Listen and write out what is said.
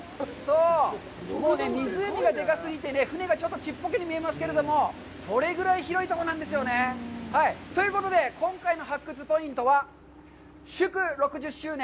もうね、湖がでかすぎて、船がちょっとちっぽけに見えますけれども、それぐらい広いとこなんですよね。ということで今回の発掘ポイントは「祝６０周年！